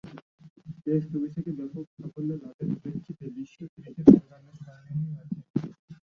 Test অভিষেকে ব্যাপক সাফল্য লাভের প্রেক্ষিতে বিশ্ব ক্রিকেট অঙ্গনে স্মরণীয় হয়ে আছেন।